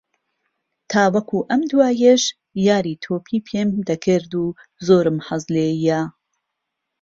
تاوەکو ئەم دواییەش یاری تۆپی پێم دەکرد و زۆرم حەز لێییە